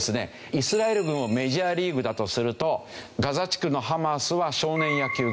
イスラエル軍をメジャーリーグだとするとガザ地区のハマスは少年野球ぐらいです。